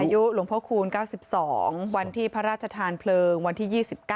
อายุหลวงพระคูณ๙๒วันที่พระราชทานเพลิงวันที่๒๙